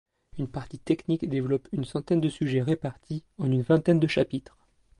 Une partie technique développe une centaine de sujets répartis en une vingtaine de chapitres.